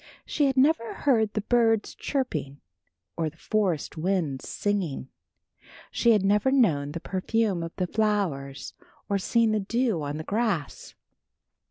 She had never heard the birds chirping or the forest winds sighing. She had never known the perfume of the flowers or seen the dew on the grass.